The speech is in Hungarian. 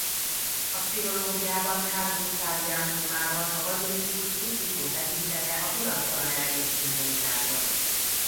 A pszichológiában Carl Gustav Jung nyomán a baziliszkusz pusztító tekintete a tudattalan erejét szimbolizálja.